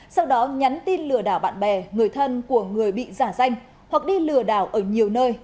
sau đó nhắn tin lừa đảo bạn bè người thân của người bị giả danh hoặc đi lừa đảo ở nhiều nơi